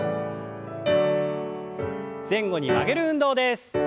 前後に曲げる運動です。